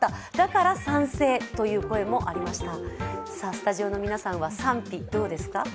スタジオの皆さんは賛否どうですか？